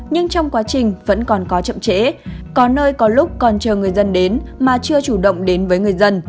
nhưng trong quá trình vẫn còn có chậm trễ có nơi có lúc còn chờ người dân đến mà chưa chủ động đến với người dân